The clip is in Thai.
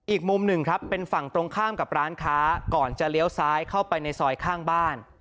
อีกมุมหนึ่งครับเป็นฝั่งตรงข้ามกับร้านค้าก่อนจะเลี้ยวซ้ายเข้าไปในซอยข้างบ้าน